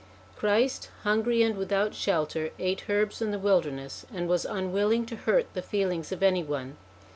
Christ, hungry and without shelter, ate herbs in the wilderness, and was unwilling to hurt the feelings of any one.